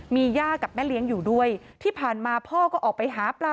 มีย่ากับแม่เลี้ยงอยู่ด้วยที่ผ่านมาพ่อก็ออกไปหาปลา